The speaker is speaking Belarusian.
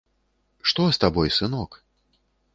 Што з табой, сынок?